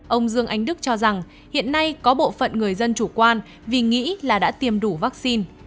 ông dương anh đức cho rằng hiện nay có bộ phận người dân chủ quan vì nghĩ là đã tiêm đủ vaccine